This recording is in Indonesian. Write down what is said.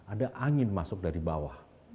ada angin masuk dari bawah